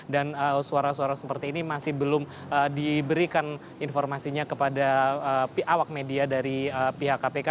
dan suara suara seperti ini masih belum diberikan informasinya kepada awak media dari pihak kpk